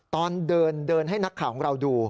ตอนเดินให้นักข่าวของเราดู